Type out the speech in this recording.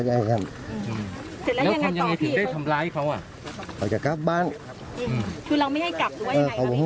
เฮ่ยกำลังกลับบ้านของเจ้ากลับกลับเกได้นึกแล้ว